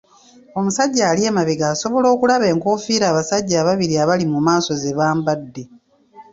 Omusajja ali emabega asobola okulaba enkofiira abasajja ababiri abali mu maaso ze bambadde.